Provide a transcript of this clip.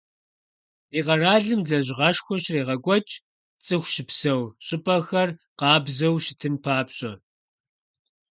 Ди къэралым лэжьыгъэшхуэ щрагъэкӀуэкӀ, цӀыху щыпсэу щӀыпӀэхэр къабзэу щытын папщӀэ.